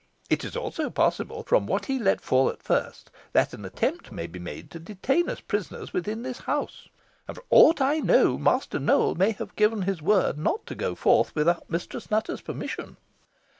It is also possible, from what he let fall at first, that an attempt may be made to detain us prisoners within this house, and, for aught I know, Master Nowell may have given his word not to go forth without Mistress Nutter's permission.